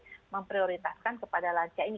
jadi memprioritaskan kepada lansia ini